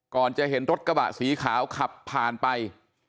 ก่อนจะเห็นรถกระบะสีขาวขับผ่านไป